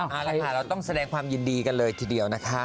เอาละค่ะเราต้องแสดงความยินดีกันเลยทีเดียวนะคะ